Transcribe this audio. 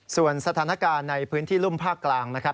ส่วนสถานการณ์ในพื้นที่รุ่มภาคกลางนะครับ